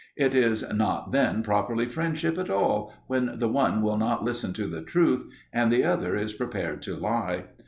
It is not then properly friendship at all when the one will not listen to the truth, and the other is prepared to lie.